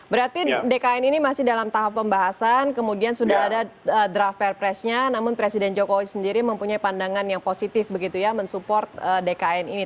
berarti dkn ini masih dalam tahap pembahasan kemudian sudah ada draft perpresnya namun presiden jokowi sendiri mempunyai pandangan yang positif begitu ya mensupport dkn ini